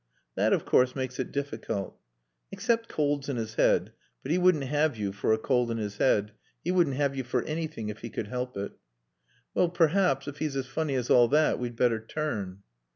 "That of course makes it difficult." "Except colds in his head. But he wouldn't have you for a cold in his head. He wouldn't have you for anything if he could help it." "Well perhaps if he's as funny as all that, we'd better turn."